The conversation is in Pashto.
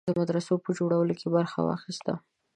د مدرسو په جوړولو کې برخه واخیسته.